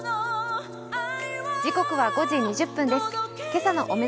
自国は５時２０分です。